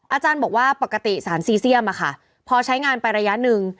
อาจารย์บอกว่าปกติสารซีเซียมพอใช้งานไประยะหนึ่ง